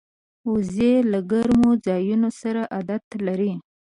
وزې له ګرمو ځایونو سره عادت لري